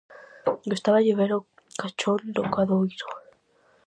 Gustáballe ver o cachón do cadoiro.